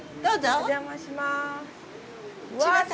お邪魔します。